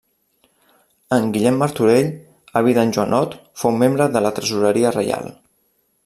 En Guillem Martorell, avi d'en Joanot, fou membre de la tresoreria reial.